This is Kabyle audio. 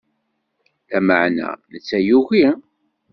Lameɛna, netta yugi.